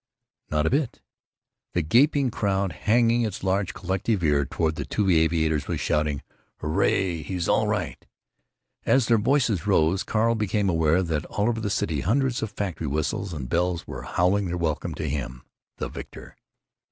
"Not a bit." The gaping crowd, hanging its large collective ear toward the two aviators, was shouting: "Hoorray! He's all right!"—As their voices rose Carl became aware that all over the city hundreds of factory whistles and bells were howling their welcome to him—the victor.